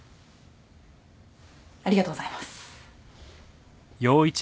ありがとうございます。